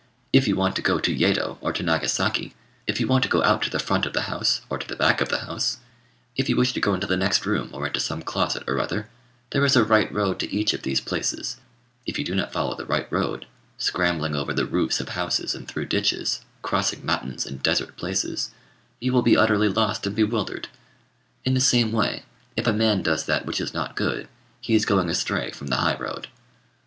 If you want to go to Yedo or to Nagasaki, if you want to go out to the front of the house or to the back of the house, if you wish to go into the next room or into some closet or other, there is a right road to each of these places: if you do not follow the right road, scrambling over the roofs of houses and through ditches, crossing mountains and desert places, you will be utterly lost and bewildered. In the same way, if a man does that which is not good, he is going astray from the high road.